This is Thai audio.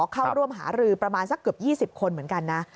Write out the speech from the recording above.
เข้าร่วมหารือประมาณสักเกือบ๒๐คนเหมือนกันนะ